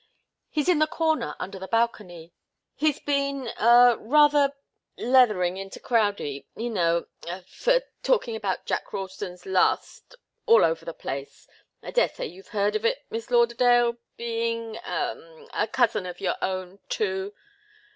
"He's in the corner under the balcony he's been er rather leathering into Crowdie you know er for talking about Jack Ralston's last, all over the place I daresay you've heard of it, Miss Lauderdale being er a cousin of your own, too.